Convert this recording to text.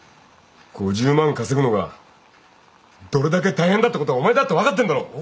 ５０万稼ぐのがどれだけ大変だってことはお前だって分かってんだろ。